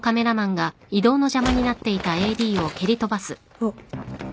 あっ。